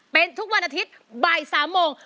เป็นทุกวันอาทิตย์บ่าย๓โมง